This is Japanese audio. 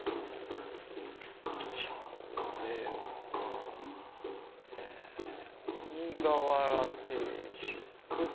じゃあ俺はえ鬼瓦定食と。